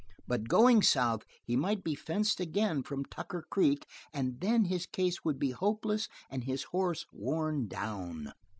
But, going south, he might be fenced again from Tucker Creek, and then his case would be hopeless and his horse worn down.